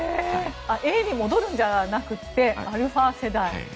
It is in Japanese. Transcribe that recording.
Ａに戻るんじゃなくてアルファ世代。